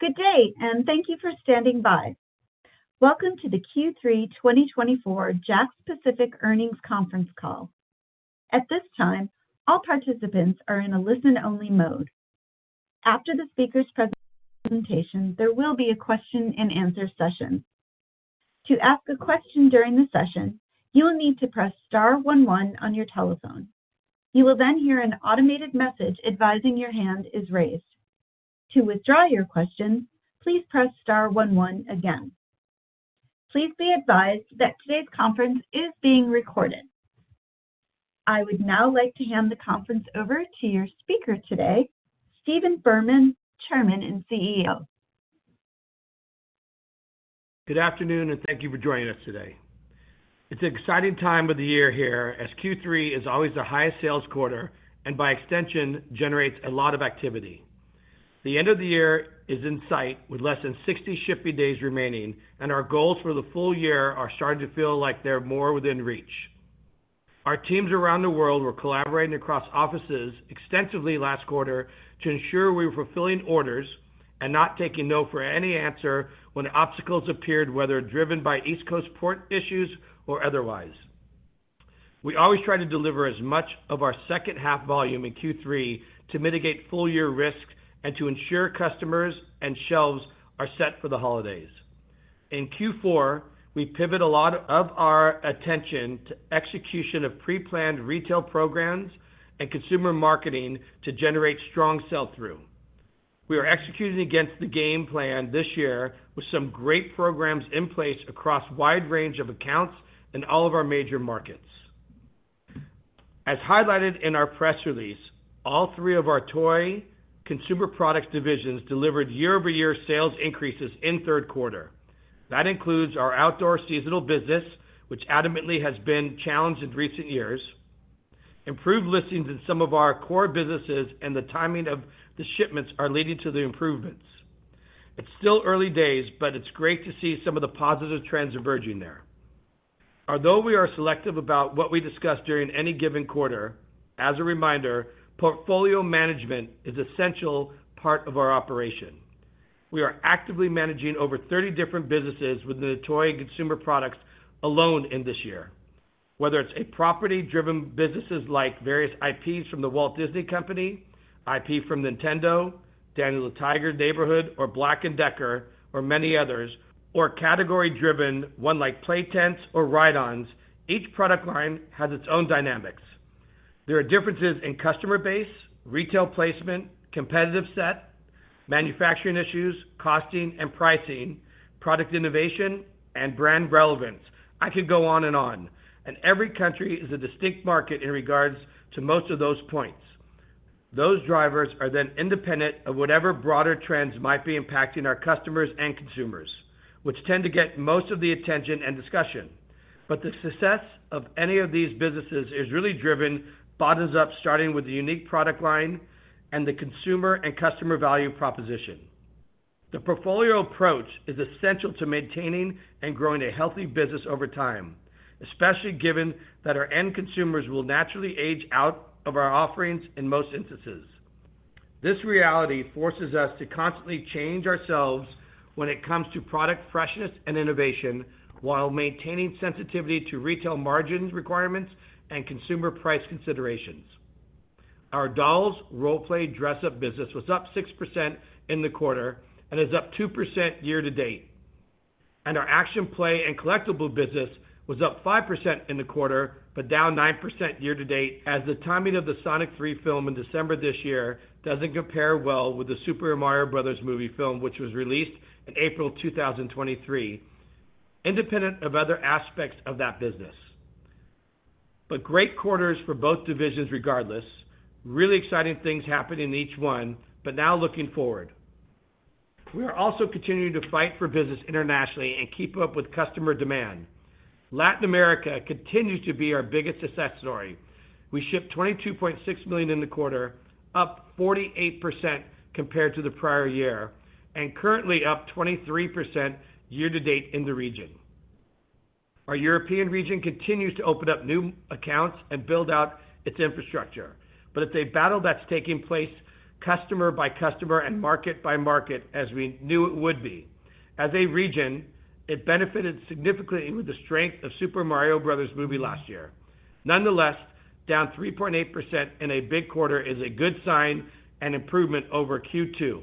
Good day, and thank you for standing by. Welcome to the Q3 2024 JAKKS Pacific Earnings Conference Call. At this time, all participants are in a listen-only mode. After the speaker's presentation, there will be a question-and-answer session. To ask a question during the session, you will need to press star one one on your telephone. You will then hear an automated message advising your hand is raised. To withdraw your question, please press star one one again. Please be advised that today's conference is being recorded. I would now like to hand the conference over to your speaker today, Stephen Berman, Chairman and CEO. Good afternoon, and thank you for joining us today. It's an exciting time of the year here as Q3 is always the highest sales quarter and, by extension, generates a lot of activity. The end of the year is in sight with less than 60 shipping days remaining, and our goals for the full year are starting to feel like they're more within reach. Our teams around the world were collaborating across offices extensively last quarter to ensure we were fulfilling orders and not taking no for any answer when obstacles appeared, whether driven by East Coast port issues or otherwise. We always try to deliver as much of our second-half volume in Q3 to mitigate full-year risk and to ensure customers and shelves are set for the holidays. In Q4, we pivot a lot of our attention to execution of pre-planned retail programs and consumer marketing to generate strong sell-through. We are executing against the game plan this year with some great programs in place across a wide range of accounts in all of our major markets. As highlighted in our press release, all three of our toy consumer products divisions delivered year-over-year sales increases in third quarter. That includes our outdoor seasonal business, which admittedly has been challenged in recent years. Improved listings in some of our core businesses and the timing of the shipments are leading to the improvements. It's still early days, but it's great to see some of the positive trends emerging there. Although we are selective about what we discuss during any given quarter, as a reminder, portfolio management is an essential part of our operation. We are actively managing over 30 different businesses within the toy and consumer products alone in this year. Whether it's property-driven businesses like various IPs from the Walt Disney Company, IP from Nintendo, Daniel Tiger's Neighborhood, or Black + Decker, or many others, or category-driven ones like play tents or ride-ons, each product line has its own dynamics. There are differences in customer base, retail placement, competitive set, manufacturing issues, costing and pricing, product innovation, and brand relevance. I could go on and on. And every country is a distinct market in regards to most of those points. Those drivers are then independent of whatever broader trends might be impacting our customers and consumers, which tend to get most of the attention and discussion. But the success of any of these businesses is really driven bottoms up, starting with the unique product line and the consumer and customer value proposition. The portfolio approach is essential to maintaining and growing a healthy business over time, especially given that our end consumers will naturally age out of our offerings in most instances. This reality forces us to constantly change ourselves when it comes to product freshness and innovation while maintaining sensitivity to retail margin requirements and consumer price considerations. Our dolls role-play dress-up business was up 6% in the quarter and is up 2% year to date, and our action play and collectible business was up 5% in the quarter, but down 9% year to date as the timing of the Sonic the Hedgehog 3 film in December this year doesn't compare well with the Super Mario Bros. Movie, which was released in April 2023, independent of other aspects of that business, but great quarters for both divisions regardless. Really exciting things happening in each one, but now looking forward. We are also continuing to fight for business internationally and keep up with customer demand. Latin America continues to be our biggest success story. We shipped $22.6 million in the quarter, up 48% compared to the prior year, and currently up 23% year to date in the region. Our European region continues to open up new accounts and build out its infrastructure. But it's a battle that's taking place customer by customer and market by market as we knew it would be. As a region, it benefited significantly with the strength of Super Mario Brothers movie last year. Nonetheless, down 3.8% in a big quarter is a good sign and improvement over Q2.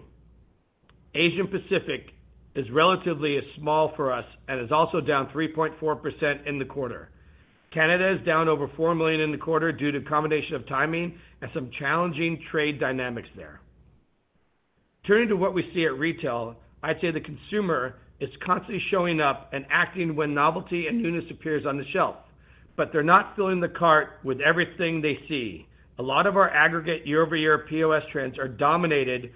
Asia Pacific is relatively small for us and is also down 3.4% in the quarter. Canada is down over $4 million in the quarter due to a combination of timing and some challenging trade dynamics there. Turning to what we see at retail, I'd say the consumer is constantly showing up and acting when novelty and newness appears on the shelf, but they're not filling the cart with everything they see. A lot of our aggregate year-over-year POS trends are dominated by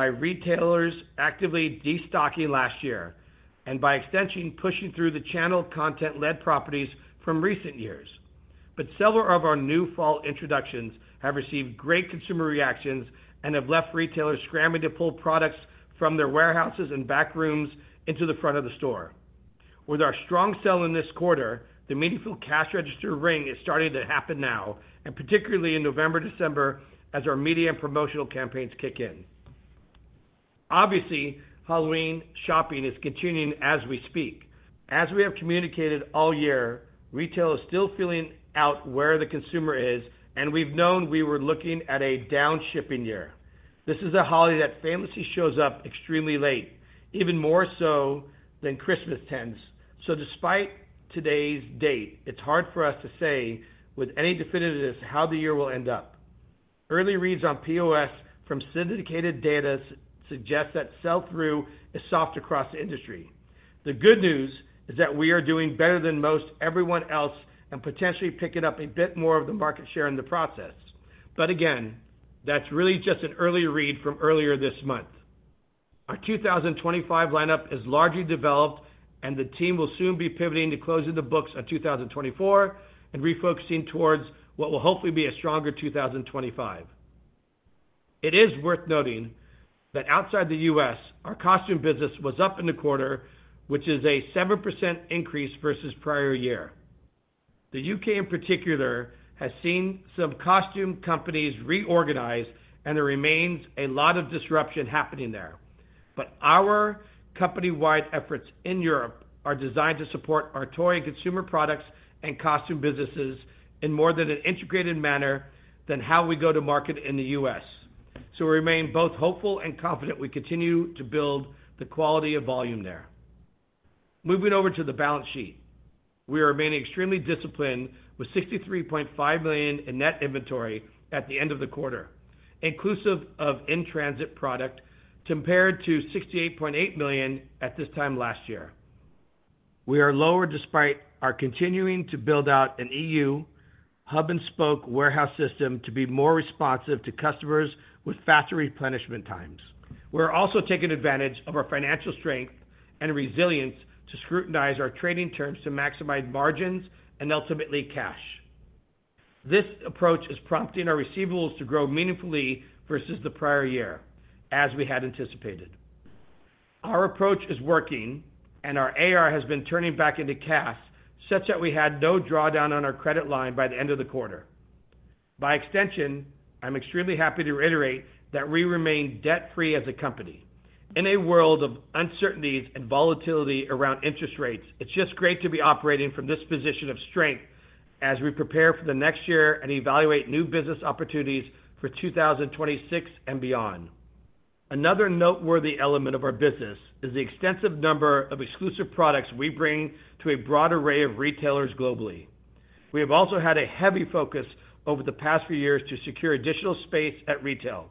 retailers actively destocking last year and, by extension, pushing through the channel content-led properties from recent years. But several of our new fall introductions have received great consumer reactions and have left retailers scrambling to pull products from their warehouses and back rooms into the front of the store. With our strong sell in this quarter, the meaningful cash register ring is starting to happen now, and particularly in November, December, as our media and promotional campaigns kick in. Obviously, Halloween shopping is continuing as we speak. As we have communicated all year, retail is still filling out where the consumer is, and we've known we were looking at a down shipping year. This is a holiday that famously shows up extremely late, even more so than Christmas tends. So despite today's date, it's hard for us to say with any definitiveness how the year will end up. Early reads on POS from syndicated data suggest that sell-through is soft across the industry. The good news is that we are doing better than most everyone else and potentially picking up a bit more of the market share in the process. But again, that's really just an early read from earlier this month. Our 2025 lineup is largely developed, and the team will soon be pivoting to closing the books on 2024 and refocusing towards what will hopefully be a stronger 2025. It is worth noting that outside the U.S., our costume business was up in the quarter, which is a 7% increase versus prior year. The U.K., in particular, has seen some costume companies reorganize, and there remains a lot of disruption happening there. But our company-wide efforts in Europe are designed to support our toy and consumer products and costume businesses in more than an integrated manner than how we go to market in the U.S. So we remain both hopeful and confident we continue to build the quality of volume there. Moving over to the balance sheet, we are remaining extremely disciplined with $63.5 million in net inventory at the end of the quarter, inclusive of in-transit product, compared to $68.8 million at this time last year. We are lower despite our continuing to build out an EU hub-and-spoke warehouse system to be more responsive to customers with faster replenishment times. We're also taking advantage of our financial strength and resilience to scrutinize our trading terms to maximize margins and ultimately cash. This approach is prompting our receivables to grow meaningfully versus the prior year, as we had anticipated. Our approach is working, and our AR has been turning back into cash such that we had no drawdown on our credit line by the end of the quarter. By extension, I'm extremely happy to reiterate that we remain debt-free as a company. In a world of uncertainties and volatility around interest rates, it's just great to be operating from this position of strength as we prepare for the next year and evaluate new business opportunities for 2026 and beyond. Another noteworthy element of our business is the extensive number of exclusive products we bring to a broad array of retailers globally. We have also had a heavy focus over the past few years to secure additional space at retail.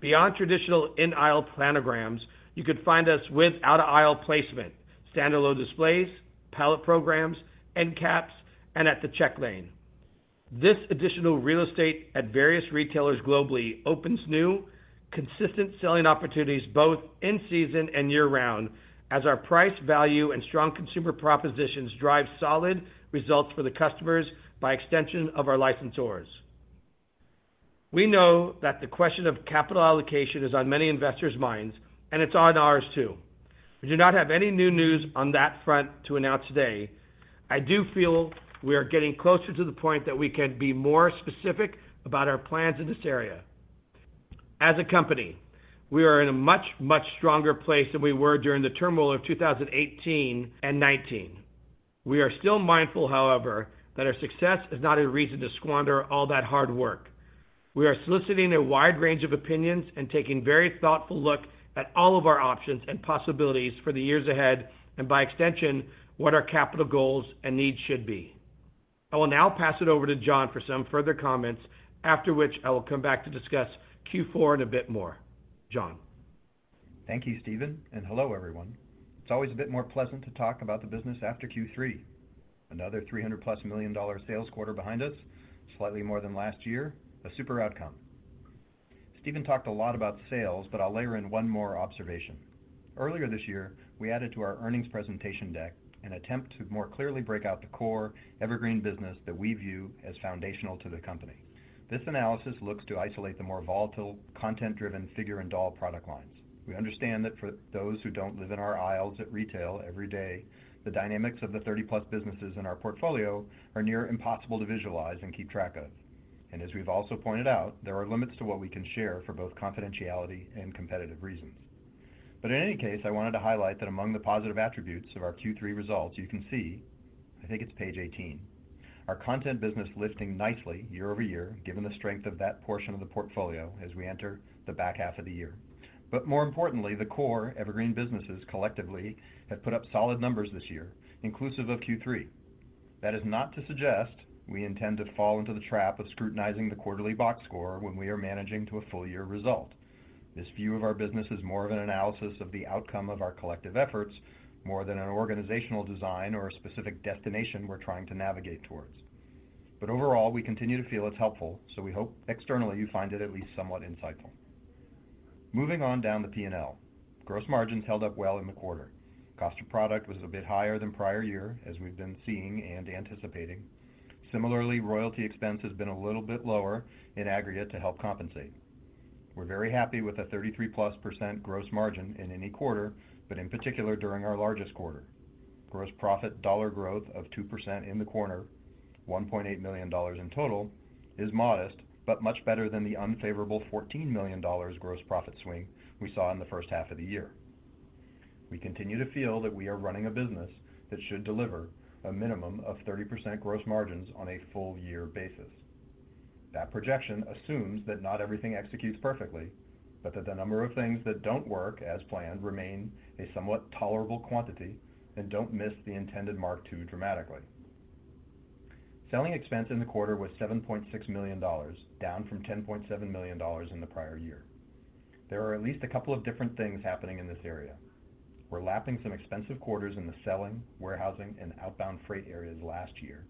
Beyond traditional in-aisle planograms, you could find us with out-of-aisle placement, standalone displays, pallet programs, end caps, and at the check lane. This additional real estate at various retailers globally opens new consistent selling opportunities both in season and year-round as our price value and strong consumer propositions drive solid results for the customers by extension of our licensors. We know that the question of capital allocation is on many investors' minds, and it's on ours too. We do not have any new news on that front to announce today. I do feel we are getting closer to the point that we can be more specific about our plans in this area. As a company, we are in a much, much stronger place than we were during the turmoil of 2018 and 2019. We are still mindful, however, that our success is not a reason to squander all that hard work. We are soliciting a wide range of opinions and taking a very thoughtful look at all of our options and possibilities for the years ahead and, by extension, what our capital goals and needs should be. I will now pass it over to John for some further comments, after which I will come back to discuss Q4 in a bit more. John. Thank you, Stephen, and hello, everyone. It's always a bit more pleasant to talk about the business after Q3. Another $300+ million sales quarter behind us, slightly more than last year, a super outcome. Stephen talked a lot about sales, but I'll layer in one more observation. Earlier this year, we added to our earnings presentation deck an attempt to more clearly break out the core evergreen business that we view as foundational to the company. This analysis looks to isolate the more volatile, content-driven figure and doll product lines. We understand that for those who don't live in our aisles at retail every day, the dynamics of the 30+ businesses in our portfolio are near impossible to visualize and keep track of. And as we've also pointed out, there are limits to what we can share for both confidentiality and competitive reasons. But in any case, I wanted to highlight that among the positive attributes of our Q3 results, you can see, I think it's page 18, our content business lifting nicely year over year, given the strength of that portion of the portfolio as we enter the back half of the year. But more importantly, the core evergreen businesses collectively have put up solid numbers this year, inclusive of Q3. That is not to suggest we intend to fall into the trap of scrutinizing the quarterly box score when we are managing to a full-year result. This view of our business is more of an analysis of the outcome of our collective efforts more than an organizational design or a specific destination we're trying to navigate towards. But overall, we continue to feel it's helpful, so we hope externally you find it at least somewhat insightful. Moving on down the P&L, gross margins held up well in the quarter. Cost of product was a bit higher than prior year, as we've been seeing and anticipating. Similarly, royalty expense has been a little bit lower in aggregate to help compensate. We're very happy with a 33-plus% gross margin in any quarter, but in particular during our largest quarter. Gross profit dollar growth of 2% in the quarter, $1.8 million in total, is modest but much better than the unfavorable $14 million gross profit swing we saw in the first half of the year. We continue to feel that we are running a business that should deliver a minimum of 30% gross margins on a full-year basis. That projection assumes that not everything executes perfectly, but that the number of things that don't work as planned remain a somewhat tolerable quantity and don't miss the intended mark too dramatically. Selling expense in the quarter was $7.6 million, down from $10.7 million in the prior year. There are at least a couple of different things happening in this area. We're lapping some expensive quarters in the selling, warehousing, and outbound freight areas last year,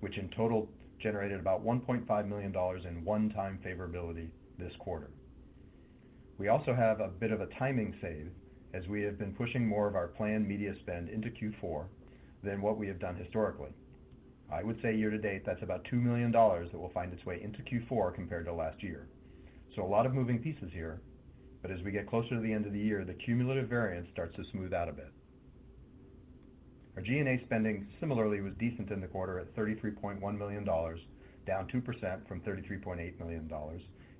which in total generated about $1.5 million in one-time favorability this quarter. We also have a bit of a timing save as we have been pushing more of our planned media spend into Q4 than what we have done historically. I would say year to date that's about $2 million that will find its way into Q4 compared to last year. A lot of moving pieces here, but as we get closer to the end of the year, the cumulative variance starts to smooth out a bit. Our G&A spending similarly was decent in the quarter at $33.1 million, down 2% from $33.8 million,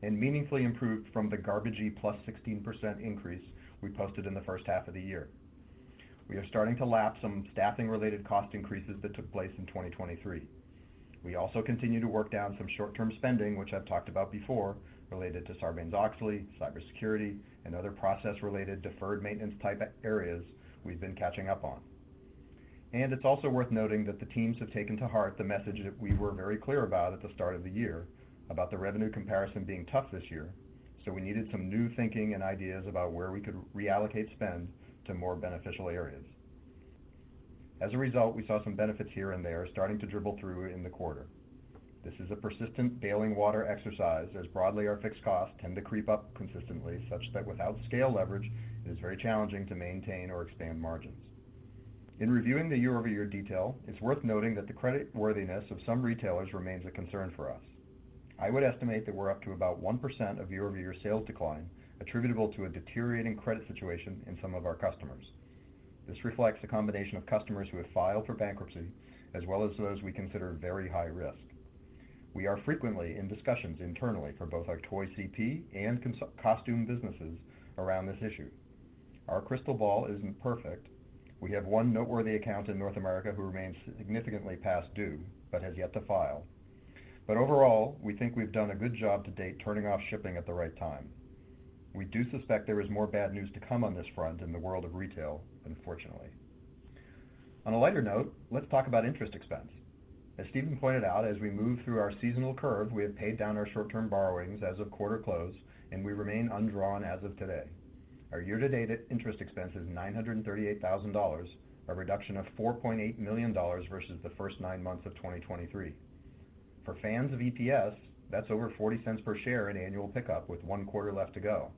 and meaningfully improved from the garbagey plus 16% increase we posted in the first half of the year. We are starting to lap some staffing-related cost increases that took place in 2023. We also continue to work down some short-term spending, which I've talked about before, related to Sarbanes-Oxley, cybersecurity, and other process-related deferred maintenance-type areas we've been catching up on. And it's also worth noting that the teams have taken to heart the message that we were very clear about at the start of the year about the revenue comparison being tough this year, so we needed some new thinking and ideas about where we could reallocate spend to more beneficial areas. As a result, we saw some benefits here and there starting to dribble through in the quarter. This is a persistent bailing-water exercise as broadly our fixed costs tend to creep up consistently such that without scale leverage, it is very challenging to maintain or expand margins. In reviewing the year-over-year detail, it's worth noting that the creditworthiness of some retailers remains a concern for us. I would estimate that we're up to about 1% of year-over-year sales decline attributable to a deteriorating credit situation in some of our customers. This reflects a combination of customers who have filed for bankruptcy as well as those we consider very high risk. We are frequently in discussions internally for both our toy CP and costume businesses around this issue. Our crystal ball isn't perfect. We have one noteworthy account in North America who remains significantly past due but has yet to file. But overall, we think we've done a good job to date turning off shipping at the right time. We do suspect there is more bad news to come on this front in the world of retail, unfortunately. On a lighter note, let's talk about interest expense. As Stephen pointed out, as we move through our seasonal curve, we have paid down our short-term borrowings as of quarter close, and we remain undrawn as of today. Our year-to-date interest expense is $938,000, a reduction of $4.8 million versus the first nine months of 2023. For fans of EPS, that's over $0.40 per share in annual pickup with one quarter left to go.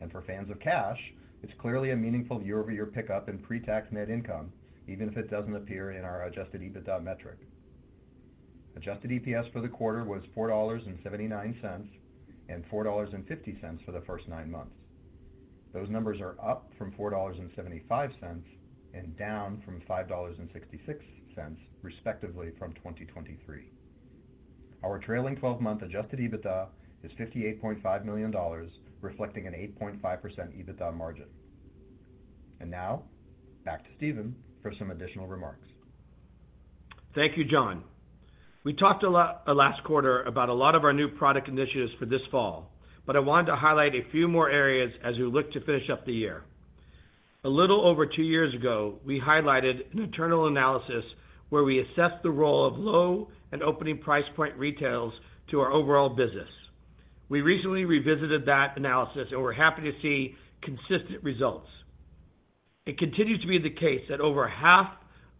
And for fans of cash, it's clearly a meaningful year-over-year pickup in pre-tax net income, even if it doesn't appear in our adjusted EBITDA metric. Adjusted EPS for the quarter was $4.79 and $4.50 for the first nine months. Those numbers are up from $4.75 and down from $5.66, respectively, from 2023. Our trailing 12-month adjusted EBITDA is $58.5 million, reflecting an 8.5% EBITDA margin. And now, back to Stephen for some additional remarks. Thank you, John. We talked a lot last quarter about a lot of our new product initiatives for this fall, but I wanted to highlight a few more areas as we look to finish up the year. A little over two years ago, we highlighted an internal analysis where we assessed the role of low and opening price point retailers to our overall business. We recently revisited that analysis, and we're happy to see consistent results. It continues to be the case that over half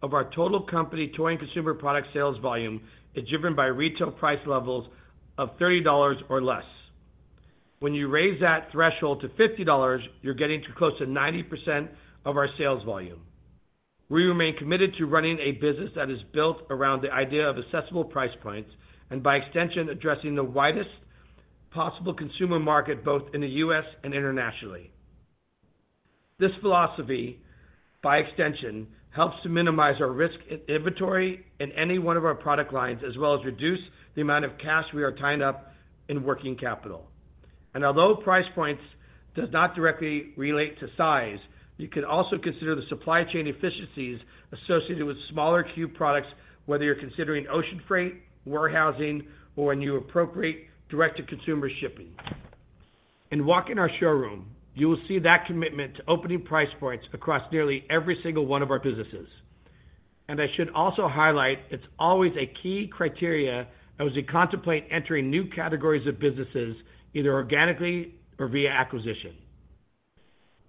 of our total company toy and consumer product sales volume is driven by retail price levels of $30 or less. When you raise that threshold to $50, you're getting to close to 90% of our sales volume. We remain committed to running a business that is built around the idea of accessible price points and, by extension, addressing the widest possible consumer market both in the U.S. and internationally. This philosophy, by extension, helps to minimize our risk in inventory in any one of our product lines as well as reduce the amount of cash we are tying up in working capital. And although price points do not directly relate to size, you can also consider the supply chain efficiencies associated with smaller Q products, whether you're considering ocean freight, warehousing, or a new appropriate direct-to-consumer shipping. In walking our showroom, you will see that commitment to opening price points across nearly every single one of our businesses. And I should also highlight it's always a key criteria as we contemplate entering new categories of businesses, either organically or via acquisition.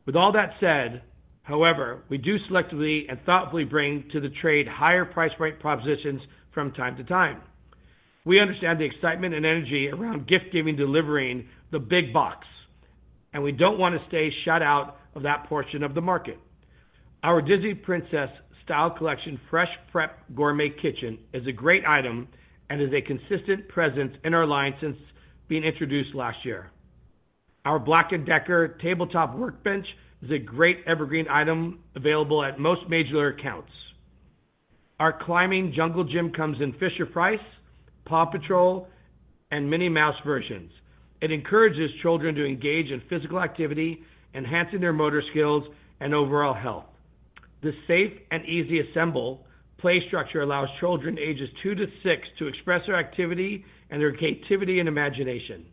With all that said, however, we do selectively and thoughtfully bring to the trade higher price point propositions from time to time. We understand the excitement and energy around gift-giving delivering the big box, and we don't want to stay shut out of that portion of the market. Our Disney Princess Style Collection, Fresh Prep Gourmet Kitchen, is a great item and is a consistent presence in our line since being introduced last year. Our Black + Decker Tabletop Workbench is a great evergreen item available at most major accounts. Our Climbing Jungle Gym comes in Fisher-Price, Paw Patrol, and Minnie Mouse versions. It encourages children to engage in physical activity, enhancing their motor skills and overall health. The safe and easy assemble play structure allows children ages two to six to express their activity and their creativity and imagination.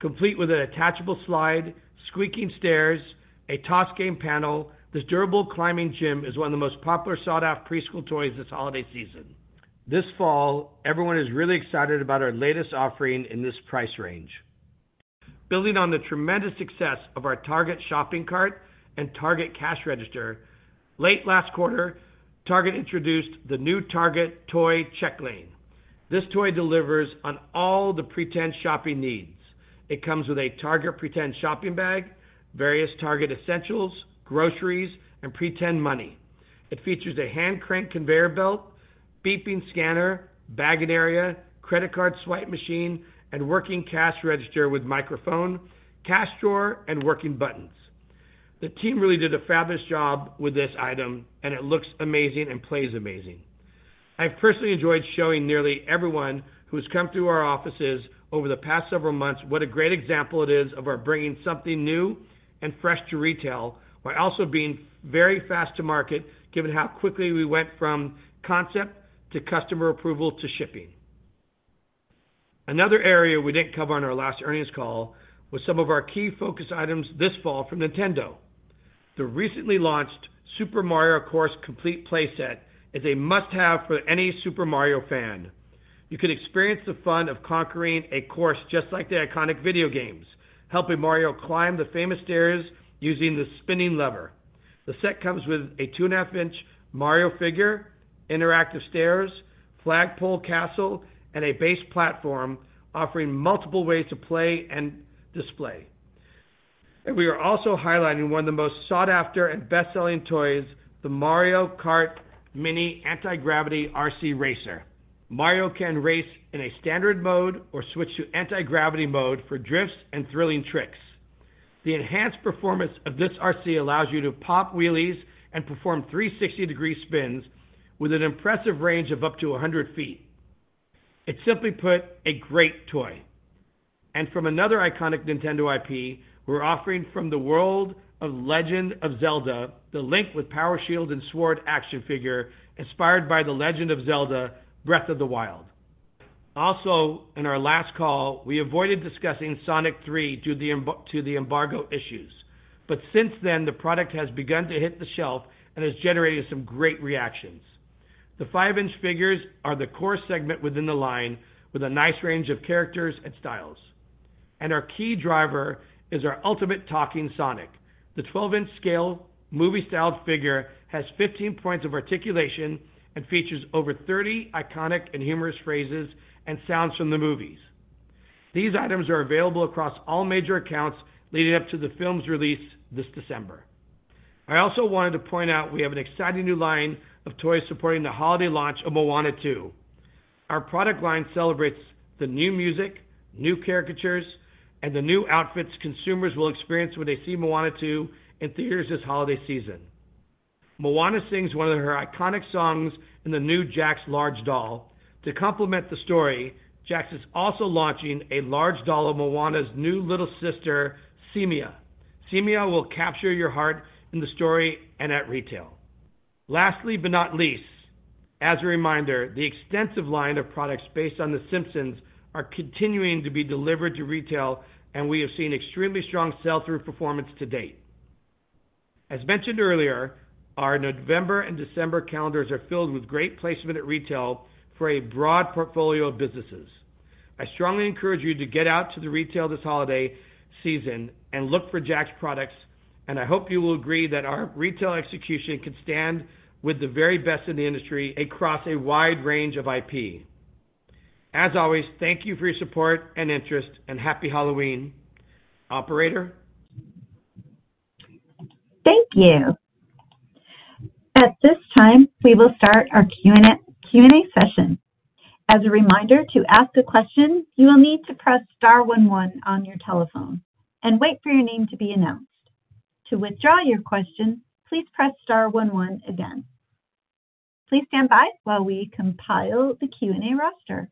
Complete with an attachable slide, squeaking stairs, a toss game panel, this durable climbing gym is one of the most popular sought-after preschool toys this holiday season. This fall, everyone is really excited about our latest offering in this price range. Building on the tremendous success of our Target Shopping Cart and Target Cash Register, late last quarter, Target introduced the new Target Toy Checklane. This toy delivers on all the pretend shopping needs. It comes with a Target pretend shopping bag, various Target essentials, groceries, and pretend money. It features a hand crank conveyor belt, beeping scanner, bagging area, credit card swipe machine, and working cash register with microphone, cash drawer, and working buttons. The team really did a fabulous job with this item, and it looks amazing and plays amazing. I've personally enjoyed showing nearly everyone who has come through our offices over the past several months what a great example it is of our bringing something new and fresh to retail while also being very fast to market, given how quickly we went from concept to customer approval to shipping. Another area we didn't cover on our last earnings call was some of our key focus items this fall from Nintendo. The recently launched Super Mario Course Complete Playset is a must-have for any Super Mario fan. You can experience the fun of conquering a course just like the iconic video games, helping Mario climb the famous stairs using the spinning lever. The set comes with a 2.5-inch Mario figure, interactive stairs, flagpole castle, and a base platform offering multiple ways to play and display. We are also highlighting one of the most sought-after and best-selling toys, the Mario Kart Mini Anti-Gravity RC Racer. Mario can race in a standard mode or switch to anti-gravity mode for drifts and thrilling tricks. The enhanced performance of this RC allows you to pop wheelies and perform 360-degree spins with an impressive range of up to 100 feet. It's simply put, a great toy. From another iconic Nintendo IP, we're offering from the world of The Legend of Zelda, the Link with Power Shield and Sword action figure inspired by The Legend of Zelda: Breath of the Wild. Also, in our last call, we avoided discussing Sonic 3 due to the embargo issues, but since then, the product has begun to hit the shelf and has generated some great reactions. The 5-inch figures are the core segment within the line with a nice range of characters and styles, and our key driver is our Ultimate Talking Sonic. The 12-inch scale movie-styled figure has 15 points of articulation and features over 30 iconic and humorous phrases and sounds from the movies. These items are available across all major accounts leading up to the film's release this December. I also wanted to point out we have an exciting new line of toys supporting the holiday launch of Moana 2. Our product line celebrates the new music, new caricatures, and the new outfits consumers will experience when they see Moana 2 in theaters this holiday season. Moana sings one of her iconic songs in the new JAKKS Large Doll. To complement the story, JAKKS is also launching a large doll of Moana's new little sister, Simea. Simea will capture your heart in the story and at retail. Lastly, but not least, as a reminder, the extensive line of products based on The Simpsons are continuing to be delivered to retail, and we have seen extremely strong sell-through performance to date. As mentioned earlier, our November and December calendars are filled with great placement at retail for a broad portfolio of businesses. I strongly encourage you to get out to the retail this holiday season and look for JAKKS products, and I hope you will agree that our retail execution can stand with the very best in the industry across a wide range of IP. As always, thank you for your support and interest, and Happy Halloween, operator. Thank you. At this time, we will start our Q&A session. As a reminder to ask a question, you will need to press star 11 on your telephone and wait for your name to be announced. To withdraw your question, please press star 11 again. Please stand by while we compile the Q&A roster.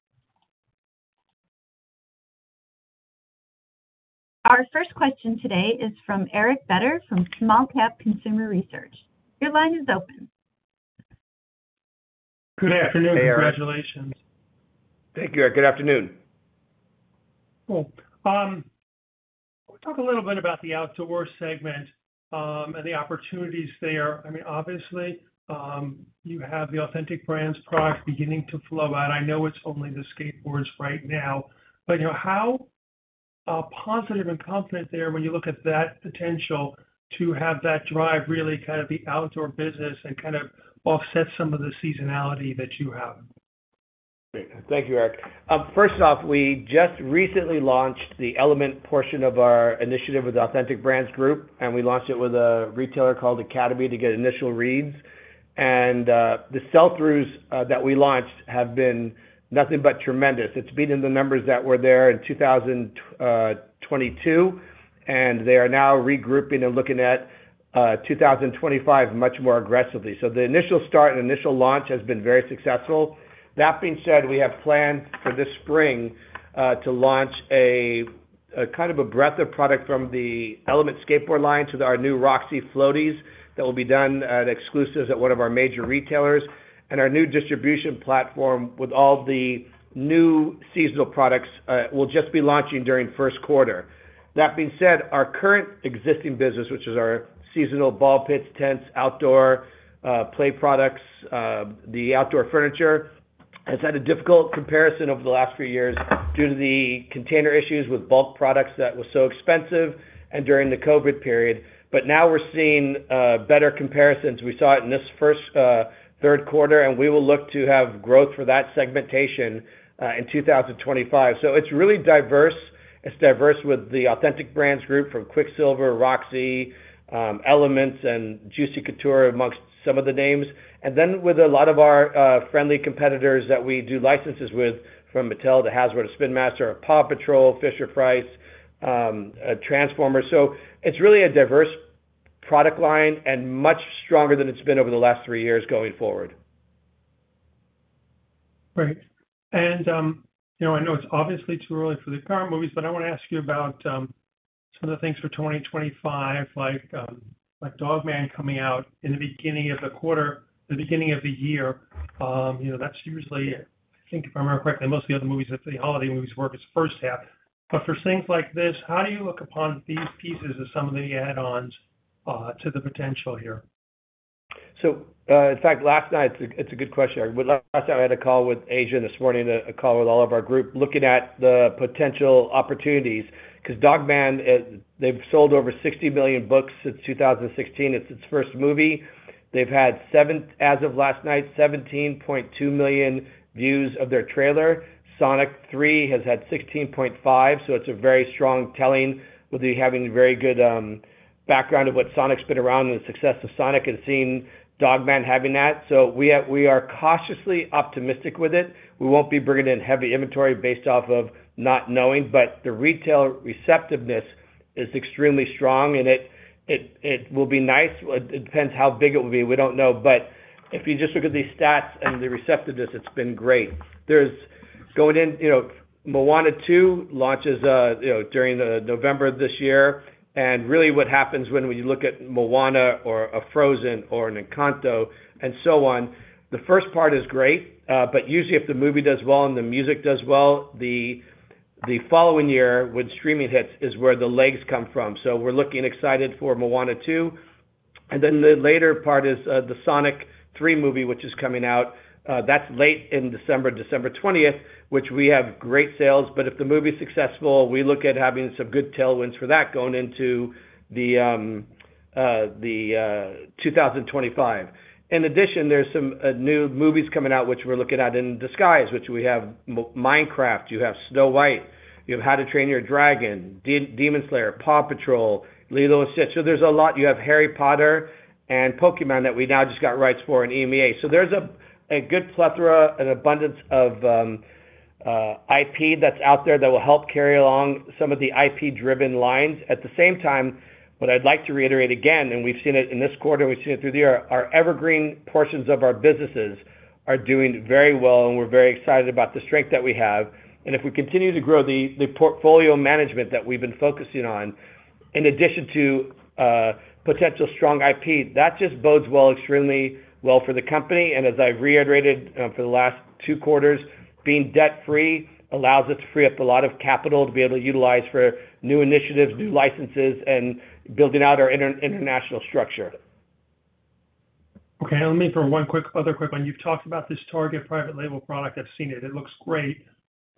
Our first question today is from Eric Beder from Small Cap Consumer Research. Your line is open. Good afternoon. Hey, Eric. Congratulations. Thank you, Eric. Good afternoon. Cool. Talk a little bit about the outdoor segment and the opportunities there. I mean, obviously, you have the Authentic Brands' products beginning to flow out. I know it's only the skateboards right now, but how positive and confident there when you look at that potential to have that drive really kind of the outdoor business and kind of offset some of the seasonality that you have? Thank you, Eric. First off, we just recently launched the Element portion of our initiative with the Authentic Brands Group, and we launched it with a retailer called Academy to get initial reads, and the sell-throughs that we launched have been nothing but tremendous. It's beaten the numbers that were there in 2022, and they are now regrouping and looking at 2025 much more aggressively, so the initial start and initial launch has been very successful. That being said, we have planned for this spring to launch a kind of a breadth of product from the Element skateboard line to our new Roxy floaties that will be done at exclusives at one of our major retailers, and our new distribution platform with all the new seasonal products will just be launching during first quarter. That being said, our current existing business, which is our seasonal ball pits, tents, outdoor play products, the outdoor furniture, has had a difficult comparison over the last few years due to the container issues with bulk products that were so expensive and during the COVID period, but now we're seeing better comparisons. We saw it in this first third quarter, and we will look to have growth for that segmentation in 2025, so it's really diverse. It's diverse with the Authentic Brands Group from Quiksilver, Roxy, Element, and Juicy Couture amongst some of the names, and then with a lot of our friendly competitors that we do licenses with from Mattel to Hasbro to Spin Master to Paw Patrol, Fisher-Price, Transformers, so it's really a diverse product line and much stronger than it's been over the last three years going forward. Right. And I know it's obviously too early for the current movies, but I want to ask you about some of the things for 2025, like Dog Man coming out in the beginning of the quarter, the beginning of the year. That's usually, I think if I remember correctly, most of the other movies after the holiday movies work is first half. But for things like this, how do you look upon these pieces as some of the add-ons to the potential here? So, in fact, last night, it's a good question. Last night, I had a call with Asia and this morning, a call with all of our group looking at the potential opportunities because Dog Man, they've sold over 60 million books since 2016. It's its first movie. They've had, as of last night, 17.2 million views of their trailer. Sonic 3 has had 16.5, so it's a very strong telling with you having a very good background of what Sonic's been around and the success of Sonic and seeing Dog Man having that. So we are cautiously optimistic with it. We won't be bringing in heavy inventory based off of not knowing, but the retail receptiveness is extremely strong, and it will be nice. It depends how big it will be. We don't know. But if you just look at these stats and the receptiveness, it's been great. Going in, Moana 2 launches during November this year. And really what happens when we look at Moana or a Frozen or an Encanto and so on, the first part is great. But usually if the movie does well and the music does well, the following year when streaming hits is where the legs come from. So we're looking excited for Moana 2. And then the later part is the Sonic 3 movie, which is coming out. That's late in December, December 20th, which we have great sales. But if the movie's successful, we look at having some good tailwinds for that going into 2025. In addition, there's some new movies coming out, which we're looking at in Disguise, which we have Minecraft, you have Snow White, you have How to Train Your Dragon, Demon Slayer, Paw Patrol, Lilo & Stitch. So there's a lot. You have Harry Potter and Pokémon that we now just got rights for in EMEA. So there's a good plethora and abundance of IP that's out there that will help carry along some of the IP-driven lines. At the same time, what I'd like to reiterate again, and we've seen it in this quarter, we've seen it through the year, our evergreen portions of our businesses are doing very well, and we're very excited about the strength that we have. And if we continue to grow the portfolio management that we've been focusing on, in addition to potential strong IP, that just bodes well, extremely well for the company. And as I've reiterated for the last two quarters, being debt-free allows us to free up a lot of capital to be able to utilize for new initiatives, new licenses, and building out our international structure. Okay. Let me ask one quick, other quick one. You've talked about this Target private label product. I've seen it. It looks great.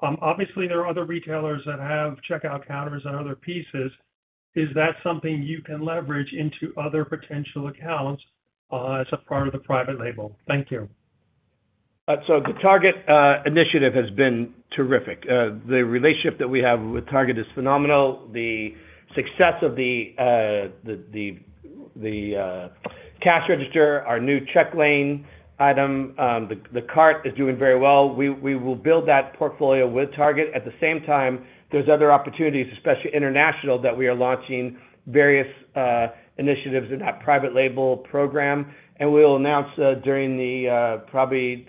Obviously, there are other retailers that have checkout counters and other pieces. Is that something you can leverage into other potential accounts as a part of the private label? Thank you. The Target initiative has been terrific. The relationship that we have with Target is phenomenal. The success of the cash register, our new check lane item, the cart is doing very well. We will build that portfolio with Target. At the same time, there's other opportunities, especially international, that we are launching various initiatives in that private label program. We will announce during the probably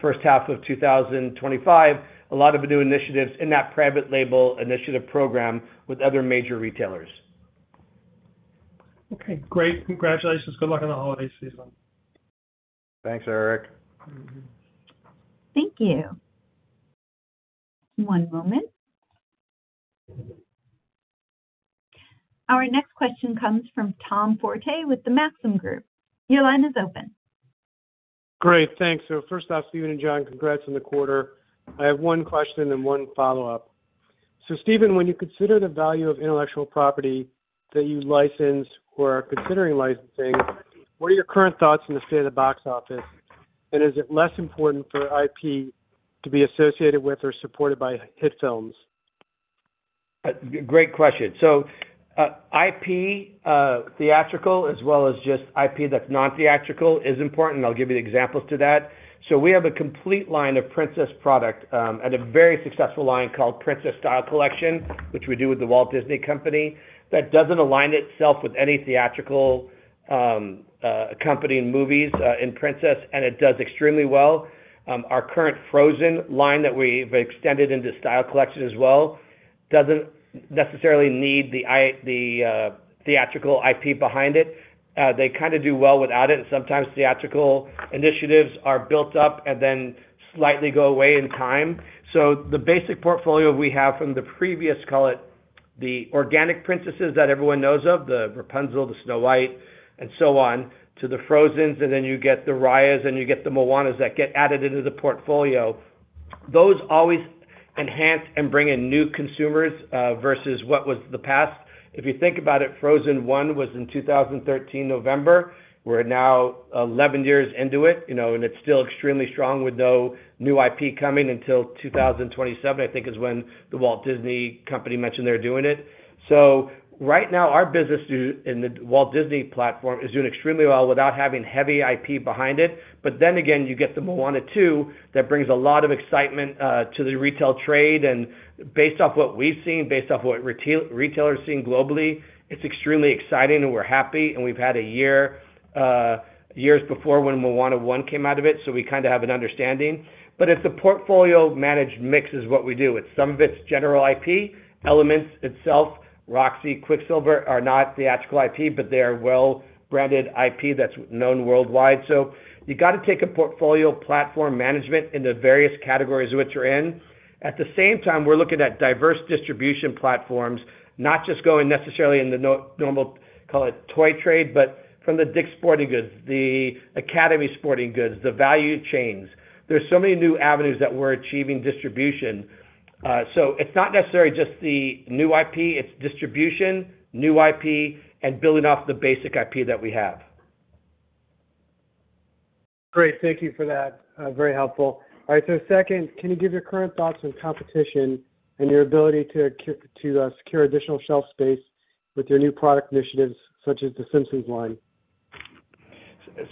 first half of 2025 a lot of new initiatives in that private label initiative program with other major retailers. Okay. Great. Congratulations. Good luck in the holiday season. Thanks, Eric. Thank you. One moment. Our next question comes from Tom Forte with the Maxim Group. Your line is open. Great. Thanks. So first off, Stephen and John, congrats on the quarter. I have one question and one follow-up. So Stephen, when you consider the value of intellectual property that you license or are considering licensing, what are your current thoughts on the state of the box office? And is it less important for IP to be associated with or supported by hit films? Great question. So IP theatrical as well as just IP that's non-theatrical is important. And I'll give you the examples to that. So we have a complete line of Princess product and a very successful line called Princess Style Collection, which we do with the Walt Disney Company that doesn't align itself with any theatrical accompanying movies in Princess, and it does extremely well. Our current Frozen line that we've extended into Style Collection as well doesn't necessarily need the theatrical IP behind it. They kind of do well without it. And sometimes theatrical initiatives are built up and then slightly go away in time. The basic portfolio we have from the previous, call it the organic princesses that everyone knows of, the Rapunzel, the Snow White, and so on, to the Frozens, and then you get the Raya's, and you get the Moanas that get added into the portfolio. Those always enhance and bring in new consumers versus what was the past. If you think about it, Frozen 1 was in November 2013. We're now 11 years into it, and it's still extremely strong with no new IP coming until 2027, I think, is when The Walt Disney Company mentioned they're doing it. Right now, our business in The Walt Disney Company platform is doing extremely well without having heavy IP behind it. But then again, you get the Moana 2 that brings a lot of excitement to the retail trade. Based off what we've seen, based off what retailers are seeing globally, it's extremely exciting, and we're happy. We've had a year or years before when Moana 1 came out, so we kind of have an understanding. It's a portfolio managed mix is what we do. Some of it's general IP. Element itself, Roxy, Quiksilver are not theatrical IP, but they are well-branded IP that's known worldwide. So you got to take a portfolio platform management in the various categories which are in. At the same time, we're looking at diverse distribution platforms, not just going necessarily in the normal, call it toy trade, but from the Dick's Sporting Goods, the Academy Sports + Outdoors, the value chains. There's so many new avenues that we're achieving distribution. It's not necessarily just the new IP. It's distribution, new IP, and building off the basic IP that we have. Great. Thank you for that. Very helpful. All right. So second, can you give your current thoughts on competition and your ability to secure additional shelf space with your new product initiatives such as the Simpsons line?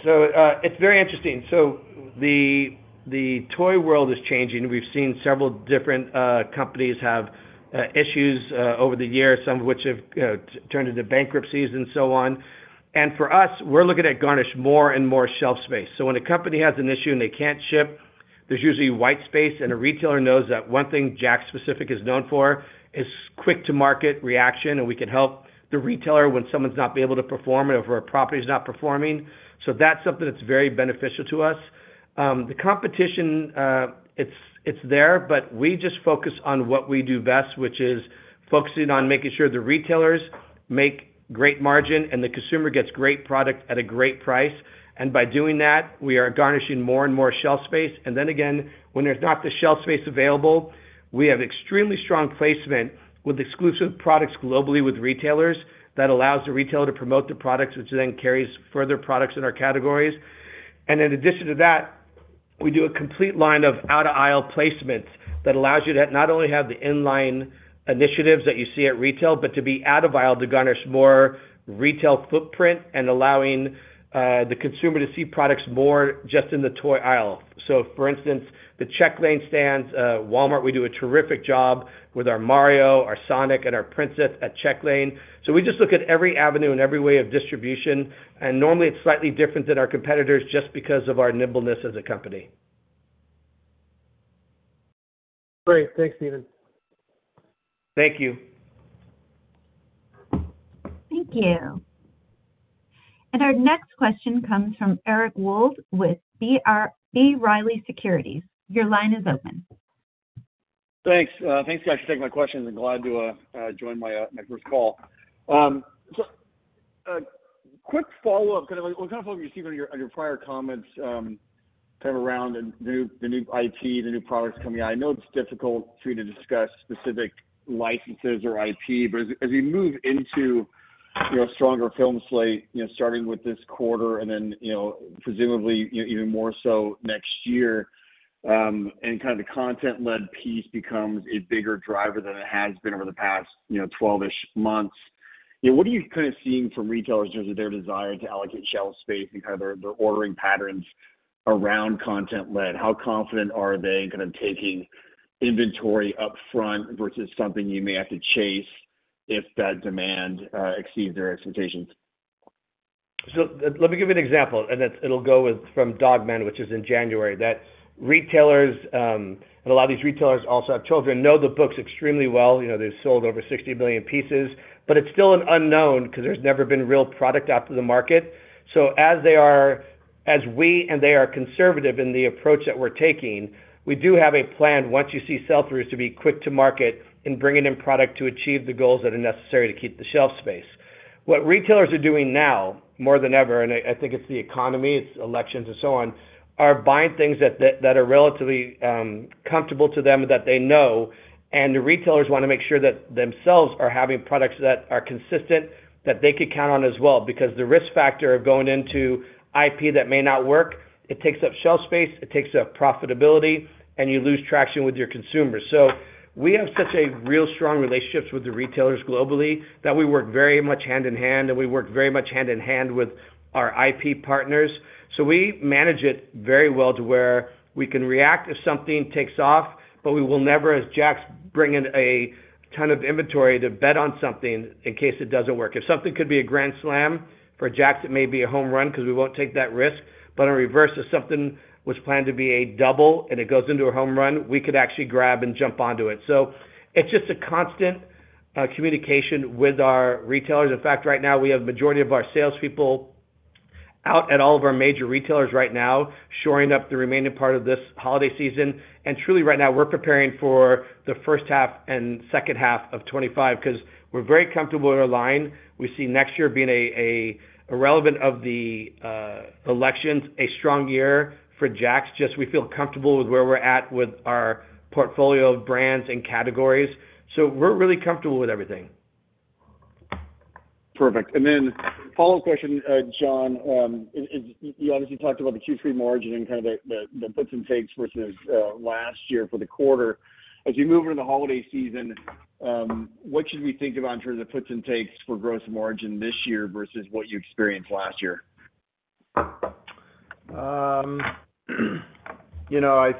So it's very interesting. So the toy world is changing. We've seen several different companies have issues over the years, some of which have turned into bankruptcies and so on. And for us, we're looking at garner more and more shelf space. So when a company has an issue and they can't ship, there's usually white space. And a retailer knows that one thing JAKKS Pacific is known for is quick-to-market reaction, and we can help the retailer when someone's not being able to perform or if a property is not performing. So that's something that's very beneficial to us. The competition, it's there, but we just focus on what we do best, which is focusing on making sure the retailers make great margin and the consumer gets great product at a great price. And by doing that, we are garnering more and more shelf space. And then again, when there's not the shelf space available, we have extremely strong placement with exclusive products globally with retailers that allows the retailer to promote the products, which then carries further products in our categories. And in addition to that, we do a complete line of out-of-aisle placements that allows you to not only have the inline initiatives that you see at retail, but to be out of aisle to garner more retail footprint and allowing the consumer to see products more just in the toy aisle. So for instance, the check lane stands, Walmart, we do a terrific job with our Mario, our Sonic, and our Princess at check lane. So we just look at every avenue and every way of distribution. And normally, it's slightly different than our competitors just because of our nimbleness as a company. Great. Thanks, Stephen. Thank you. Thank you. And our next question comes from Eric Wold with B. Riley Securities. Your line is open. Thanks. Thanks for taking my question. I'm glad to join my first call. So quick follow-up, kind of what kind of focus you see on your prior comments kind of around the new IP, the new products coming out? I know it's difficult for you to discuss specific licenses or IP, but as we move into a stronger film slate, starting with this quarter and then presumably even more so next year, and kind of the content-led piece becomes a bigger driver than it has been over the past 12-ish months, what are you kind of seeing from retailers in terms of their desire to allocate shelf space and kind of their ordering patterns around content-led? How confident are they in kind of taking inventory upfront versus something you may have to chase if that demand exceeds their expectations? So let me give you an example, and it'll go from Dog Man, which is in January, that retailers and a lot of these retailers also have children know the books extremely well. They've sold over 60 million pieces, but it's still an unknown because there's never been real product out to the market. So as we and they are conservative in the approach that we're taking, we do have a plan once you see sell-throughs to be quick to market and bringing in product to achieve the goals that are necessary to keep the shelf space. What retailers are doing now more than ever, and I think it's the economy, it's elections and so on, are buying things that are relatively comfortable to them that they know. And the retailers want to make sure that themselves are having products that are consistent that they could count on as well, because the risk factor of going into IP that may not work. It takes up shelf space, it takes up profitability, and you lose traction with your consumers. So we have such a real strong relationship with the retailers globally that we work very much hand in hand, and we work very much hand in hand with our IP partners. So we manage it very well to where we can react if something takes off, but we will never, as JAKKS, bring in a ton of inventory to bet on something in case it doesn't work. If something could be a grand slam for JAKKS, it may be a home run because we won't take that risk. But on the reverse, if something was planned to be a double and it goes into a home run, we could actually grab and jump onto it. So it's just a constant communication with our retailers. In fact, right now, we have the majority of our salespeople out at all of our major retailers right now, shoring up the remaining part of this holiday season. And truly, right now, we're preparing for the first half and second half of 2025 because we're very comfortable with our line. We see next year being irrelevant of the elections, a strong year for JAKKS. Just we feel comfortable with where we're at with our portfolio of brands and categories. So we're really comfortable with everything. Perfect. And then follow-up question, John, you obviously talked about the Q3 margin and kind of the puts and takes versus last year for the quarter. As you move into the holiday season, what should we think about in terms of puts and takes for gross margin this year versus what you experienced last year? I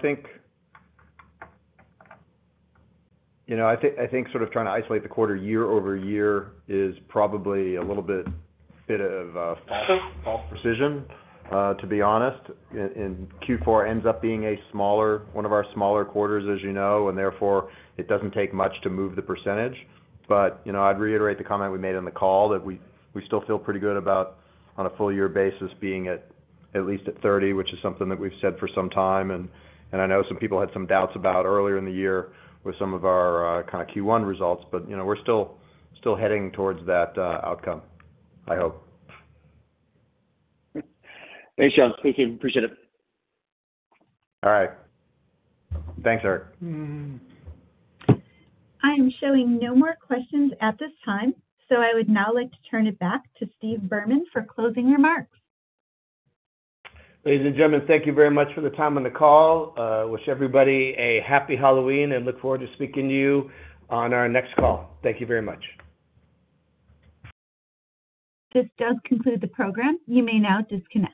think sort of trying to isolate the quarter year over year is probably a little bit of false precision, to be honest, and Q4 ends up being one of our smaller quarters, as you know, and therefore it doesn't take much to move the percentage, but I'd reiterate the comment we made on the call that we still feel pretty good about on a full-year basis being at least at 30, which is something that we've said for some time, and I know some people had some doubts about earlier in the year with some of our kind of Q1 results, but we're still heading towards that outcome, I hope. Thanks, John. Thank you. Appreciate it. All right. Thanks, Eric. I am showing no more questions at this time. So I would now like to turn it back to Steve Berman for closing remarks. Ladies and gentlemen, thank you very much for the time on the call. Wish everybody a happy Halloween and look forward to speaking to you on our next call. Thank you very much. This does conclude the program. You may now disconnect.